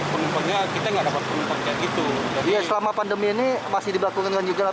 penumpangnya kita nggak dapat mempercaya gitu dia selama pandemi ini masih dibatuhkan juga